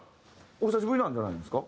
お久しぶりなんじゃないんですか。